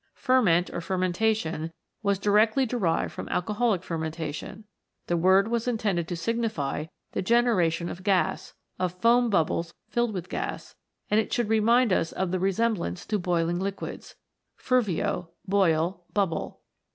Ferment or Fermentation was directly derived from alcoholic fermentation. The word was intended to signify the generation of gas, of foam bubbles filled with gas, and it should remind us of the resemblance to boiling liquids : ferveo, boil, bubble.